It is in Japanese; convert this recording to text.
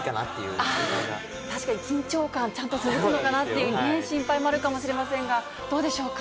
確かに緊張感、ちゃんと続くかなという心配もあるかもしれませんが、どうでしょうか？